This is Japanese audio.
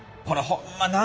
ホンマや。